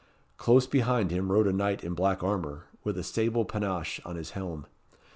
Close behind him rode a knight in black armour, with a sable panache on his helm.